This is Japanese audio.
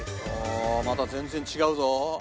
また全然違うぞ！